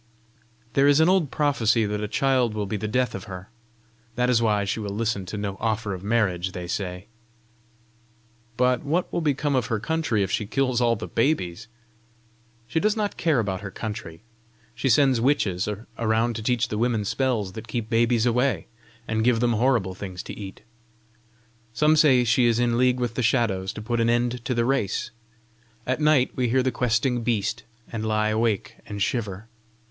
"There is an old prophecy that a child will be the death of her. That is why she will listen to no offer of marriage, they say." "But what will become of her country if she kill all the babies?" "She does not care about her country. She sends witches around to teach the women spells that keep babies away, and give them horrible things to eat. Some say she is in league with the Shadows to put an end to the race. At night we hear the questing beast, and lie awake and shiver.